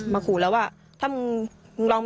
ไม่ตั้งใจครับ